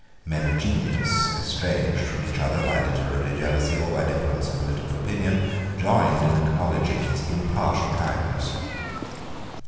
Men of genius, estranged from each other by literary jealousy or by difference of political opinion, joined in acknowledging his impartial kindness.